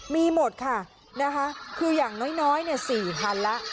มีหมดค่ะนะคะคืออย่างน้อยเนี่ยสี่พันละ